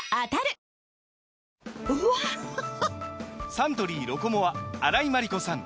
サントリー「ロコモア」荒井眞理子さん